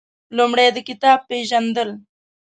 لومړی د کتاب پېژندل